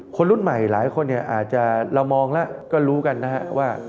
คนรุ่นใหม่หลายคนเนี่ยอาจจะเรามองแล้วก็รู้กันนะฮะว่า